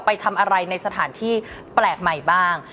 ไปทำอะไรในสถานที่แปลกใหม่บ้าง